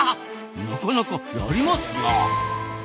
なかなかやりますな。